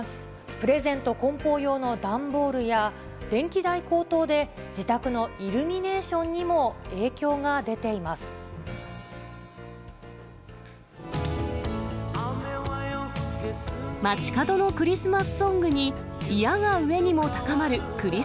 プレゼントこん包用の段ボールや、電気代高騰で自宅のイルミネーションにも影響が出ています。